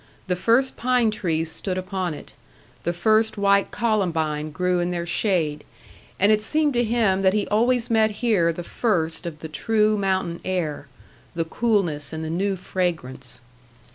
The first pine trees stood upon it; the first white columbine grew in their shade; and it seemed to him that he always met here the first of the true mountain air the coolness and the new fragrance.